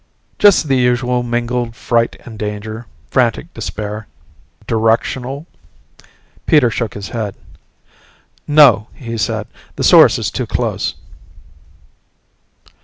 "Just the usual mingled fright and danger, frantic despair." "Directional?" Peter shook his head. "No," he said. "The source is too close."